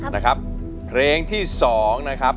นะครับเพลงที่๒นะครับ